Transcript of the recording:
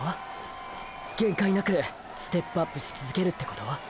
限界なくステップアップし続けるってこと？